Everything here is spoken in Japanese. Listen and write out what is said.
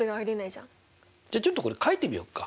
じゃちょっとこれ書いてみよっか。